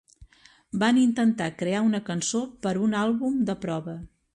Van intentar crear una cançó per un àlbum de prova.